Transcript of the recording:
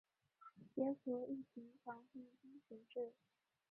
结合疫情防控新形势